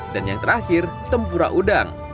dan yang terakhir tempura udang